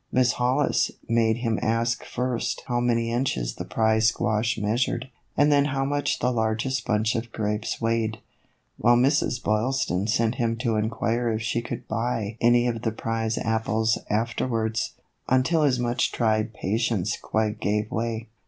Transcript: Miss Hollis made him ask first how many inches the prize squash measured, and then how much the largest bunch of grapes weighed, while Mrs. Boylston sent him to inquire if she could buy any of the prize apples afterwards, until his much tried patience quite gave way.